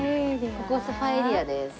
ここソファエリアです。